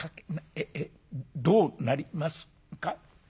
えっえっどうなりますか。